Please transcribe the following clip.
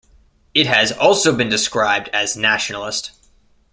It has also been described as nationalist.